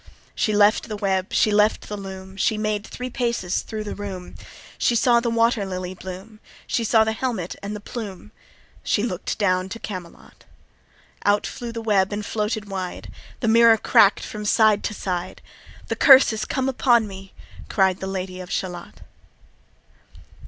She left the web, she left the loom, She made three paces thro' the room, She saw the water lily bloom, She saw the helmet and the plume: She look'd down to Camelot. Out flew the web and floated wide; The mirror crack'd from side to side; "The curse is come upon me," cried The Lady of Shalott.